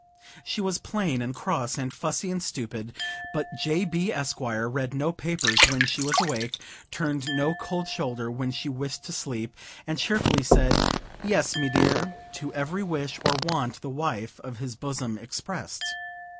She was plain and cross, and fussy and stupid, but J. B., Esq., read no papers when she was awake, turned no cold shoulder when she wished to sleep, and cheerfully said, "Yes, me dear," to every wish or want the wife of his bosom expressed.